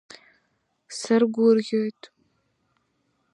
Саргәырӷьоит…